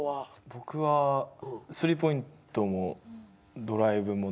僕はスリーポイントもドライブもできるんで。